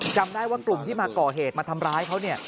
จำได้ว่ากลุ่มที่มาก่อเหตุมาทำร้ายเขา